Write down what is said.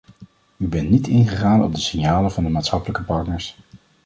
U bent niet ingegaan op de signalen van de maatschappelijke partners.